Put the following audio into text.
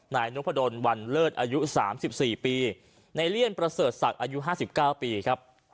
นายนพดลวันเลิศอายุ๓๔ปีในเลี่ยนประเสริฐศักดิ์อายุ๕๙ปีครับ